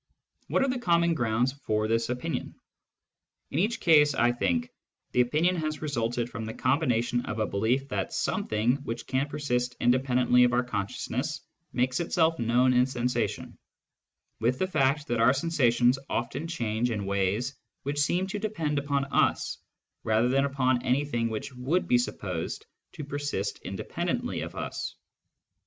What are the grounds for this common opinion ? In each case, I think, the opinion has resulted from the combination of a belief that something which can persist independently of our consciousness makes itself known in sensation, with the fact that our sensations often change in ways which seem to depend upon us rather than upon anything which would be supposed to persist independ ently of us.